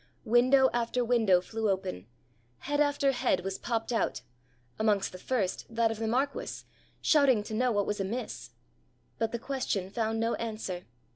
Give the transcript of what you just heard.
Window after window flew open, head after head was popped out amongst the first that of the marquis, shouting to know what was amiss. But the question found no answer.